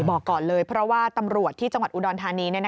บอกก่อนเลยเพราะว่าตำรวจที่จังหวัดอุดรธานี